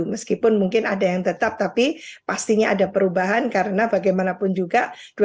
meskipun mungkin ada yang tetap tapi pastinya ada perubahan karena bagaimanapun juga